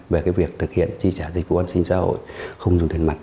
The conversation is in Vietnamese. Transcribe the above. về việc thực hiện tri trả dịch vụ an sinh xã hội không dùng tiền mặt